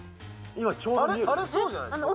あれ、そうじゃないですか。